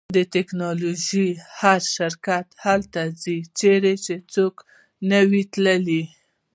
د ټیکنالوژۍ هر شرکت هلته ځي چیرې چې څوک نه وي تللی